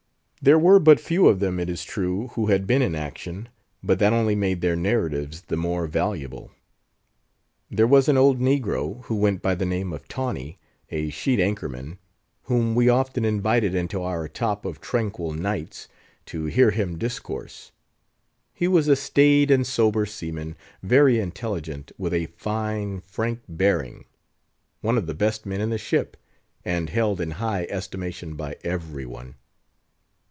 There were but few of them, it is true, who had been in action; but that only made their narratives the more valuable. There was an old negro, who went by the name of Tawney, a sheet anchor man, whom we often invited into our top of tranquil nights, to hear him discourse. He was a staid and sober seaman, very intelligent, with a fine, frank bearing, one of the best men in the ship, and held in high estimation by every one.